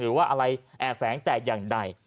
หรือว่าอะไรแอบแฝงแต่อย่างใด